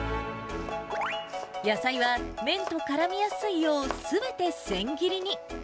野菜は麺とからみやすいよう、すべて千切りに。